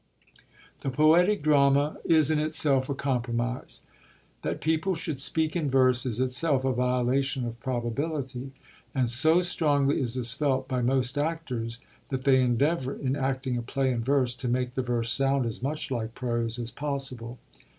The poetic drama is in itself a compromise. That people should speak in verse is itself a violation of probability; and so strongly is this felt by most actors that they endeavour, in acting a play in verse, to make the verse sound as much like prose as possible.